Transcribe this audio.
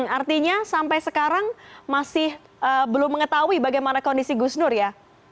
artinya sampai sekarang masih belum mengetahui bagaimana kondisi gus nur ya